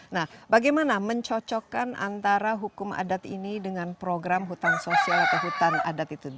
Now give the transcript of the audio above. nah bagaimana mencocokkan antara hukum adat ini dengan program hutan sosial atau hutan adat itu